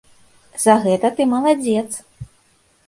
За гэта ты маладзец!